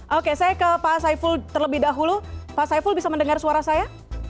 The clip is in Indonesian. oke saya ke pak saiful terlebih dahulu pak saiful bisa mendengar suara saya